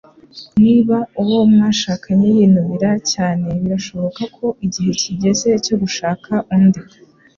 Niba uwo mwashakanye yinubira cyane, birashoboka ko igihe kigeze cyo gushaka undi.